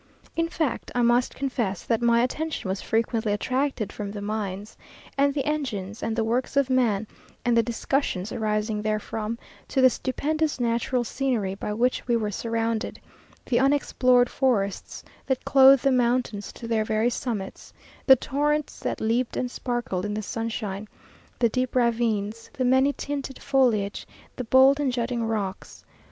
In fact, I must confess that my attention was frequently attracted from the mines, and the engines, and the works of man, and the discussions arising therefrom, to the stupendous natural scenery by which we were surrounded; the unexplored forests that clothe the mountains to their very summits, the torrents that leaped and sparkled in the sunshine, the deep ravines, the many tinted foliage, the bold and jutting rocks.